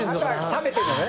冷めてるのね。